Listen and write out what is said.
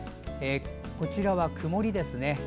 こちらは曇りですね。